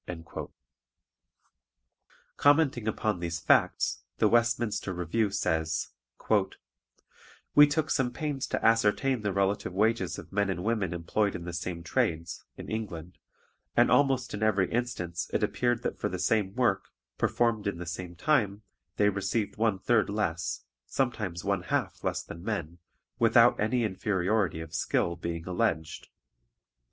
" Commenting upon these facts, the Westminster Review says, "We took some pains to ascertain the relative wages of men and women employed in the same trades (in England), and almost in every instance it appeared that for the same work, performed in the same time, they received one third less, sometimes one half less than men, without any inferiority of skill being alleged.